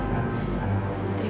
ma tadi akuable